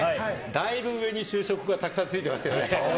だいぶ上に修飾語がたくさん付いてますよね。